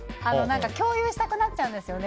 共有したくなっちゃうんですよね。